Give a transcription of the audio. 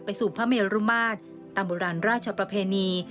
สู่พระเมรุมาตรตามโบราณราชประเพณี